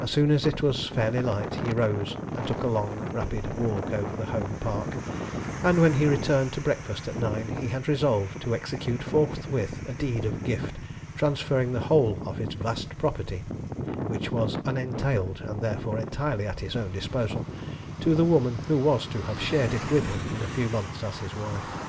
As soon as it was fairly light, he rose and took a long, rapid walk over the home park, and when he returned to breakfast at nine he had resolved to execute forthwith a deed of gift, transferring the whole of his vast property, which was unentailed and therefore entirely at his own disposal, to the woman who was to have shared it with him in a few months as his wife.